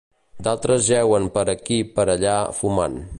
D'altres jeuen per aquí per allà, fumant.